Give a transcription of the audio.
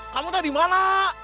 kamu teh dimana